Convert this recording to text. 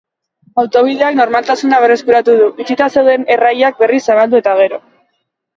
Autobideak normaltasuna berreskuratu du, itxita zeuden erreilak berriz zabaldu eta gero.